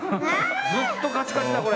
ずっとカチカチだこれ。